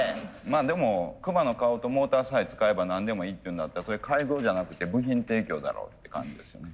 まあでもクマの顔とモーターさえ使えば何でもいいっていうんだったらそれ改造じゃなくて部品提供だろって感じですよね。